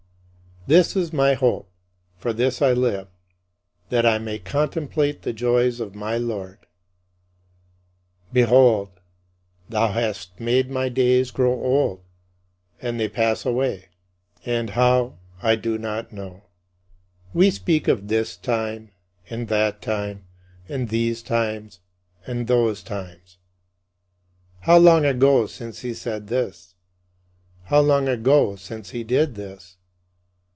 " This is my hope; for this I live: that I may contemplate the joys of my Lord. Behold, thou hast made my days grow old, and they pass away and how I do not know. We speak of this time and that time, and these times and those times: "How long ago since he said this?" "How long ago since he did this?"